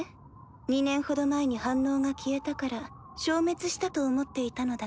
２年ほど前に反応が消えたから消滅したと思っていたのだけど。